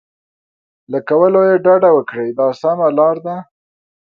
له کولو یې ډډه وکړئ دا سمه لار ده.